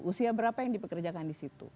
usia berapa yang dipekerjakan disitu